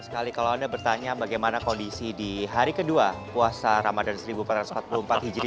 sekali kalau anda bertanya bagaimana kondisi di hari kedua puasa ramadan seribu empat ratus empat puluh empat hijri